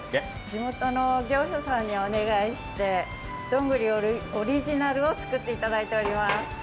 地元の業者さんにお願いしてどんぐりオリジナルを作っていただいています。